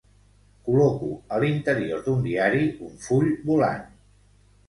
Col·loco a l'interior d'un diari un full volant.